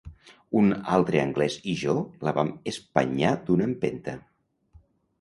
Un altre anglès i jo la vam espanyar d'una empenta